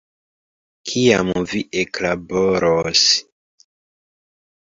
Kiam vi eklaboros?